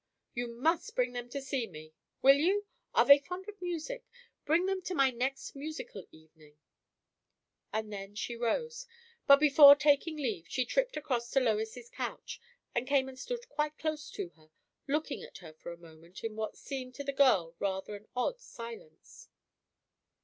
"You must bring them to see me. Will you? Are they fond of music? Bring them to my next musical evening." And then she rose; but before taking leave she tripped across to Lois's couch and came and stood quite close to her, looking at her for a moment in what seemed to the girl rather an odd silence.